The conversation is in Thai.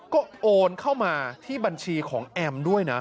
ก็โอนเข้ามาที่บัญชีของแอมด้วยนะ